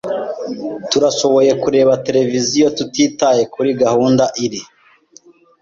Turashoboye kureba televiziyo, tutitaye kuri gahunda iri.